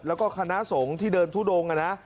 แล้วก็คณะสงฆ์ที่เดินทุดง